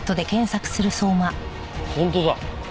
本当だ。